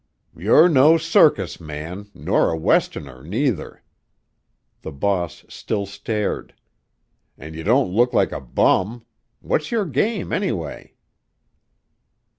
"You're no circus man, nor a Westerner, neither." The boss still stared. "And you don't look like a bum. What's your game, anyway?"